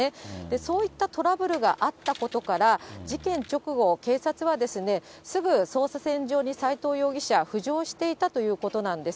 そういったトラブルがあったことから、事件直後、警察はすぐ捜査線上に斎藤容疑者、浮上していたということなんです。